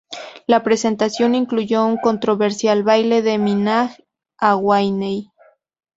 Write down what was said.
La presentación incluyó un controversial baile de Minaj a Wayne.